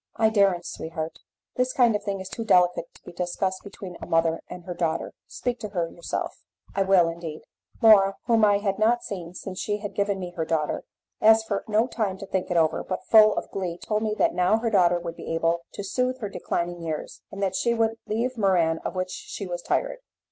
"I daren't, sweetheart; this kind of thing is too delicate to be discussed between a mother and her daughter speak to her yourself." "I will, indeed." Laura, whom I had not seen since she had given me her daughter, asked for no time to think it over, but full of glee told me that now her daughter would be able to soothe her declining years, and that she would leave Muran of which she was tired.